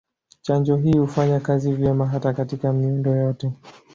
Chanjo hii hufanya kazi vyema hata katika miundo yote.